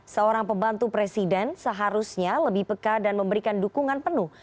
seorang pembantu presiden seharusnya lebih peka dan memberikan dukungan penuh